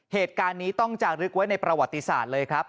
เหตุการณ์นี้ต้องจารึกไว้ในประวัติศาสตร์เลยครับ